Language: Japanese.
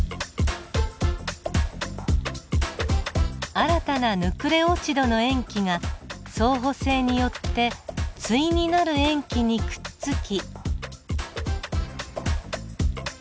新たなヌクレオチドの塩基が相補性によって対になる塩基にくっつき。